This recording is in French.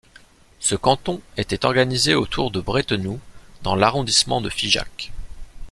Ce canton était organisé autour de Bretenoux dans l'arrondissement de Figeac.